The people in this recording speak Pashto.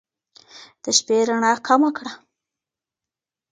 د شپې رڼا کمه کړه